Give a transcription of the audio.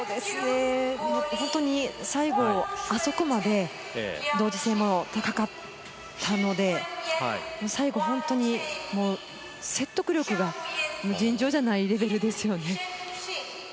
本当に最後、あそこまで同時性も高かったので、最後本当に説得力が尋常じゃないレベルですよね。